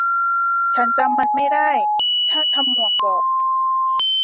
ฉันจำมันไม่ได้ ช่างทำหมวกบอก